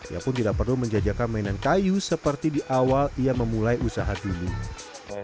ia pun tidak perlu menjajakan mainan kayu seperti di awal ia memulai usaha dunia